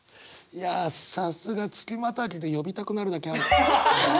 いやさすが月またぎで呼びたくなるだけある。